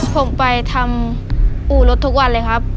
ผมไปทำอู่รถทุกวันเลยครับ